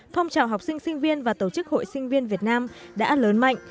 phong trào học sinh sinh viên và tổ chức hội sinh viên việt nam đã lớn mạnh